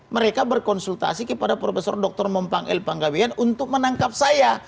mereka berkonsultasi kepada profesor dr mumpang l panggawian untuk menangkap saya